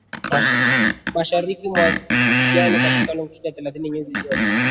Mashariki mwa kijani katika Longitudi thelathini nyuzi joto